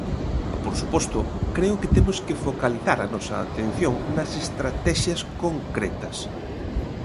Por suposto, creo que temos que focalizar a nosa atención nas estratexias concretas.